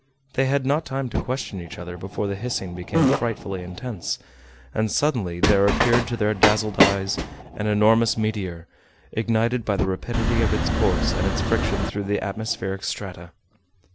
They had not time to question each other before the hissing became frightfully intense, and suddenly there appeared to their dazzled eyes an enormous meteor, ignited by the rapidity of its course and its friction through the atmospheric strata.